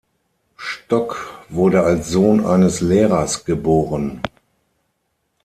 Stock wurde als Sohn eines Lehrers geboren.